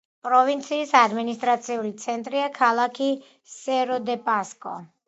პროვინციის ადმინისტრაციული ცენტრია ქალაქი სერო-დე-პასკო.